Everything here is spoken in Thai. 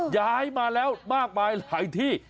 ย้ายมาแล้วมากมายหลายที่